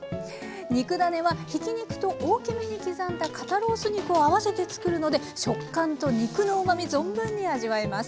肉だねはひき肉と大きめに刻んだ肩ロース肉を合わせて作るので食感と肉のうまみ存分に味わえます。